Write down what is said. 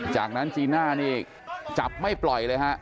จากนั้นจีน่านี่จับไม่ปล่อยเลยฮะ